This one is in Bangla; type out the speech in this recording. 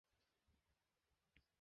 এক বৎসরের মধ্যে হল তাঁর মৃত্যু।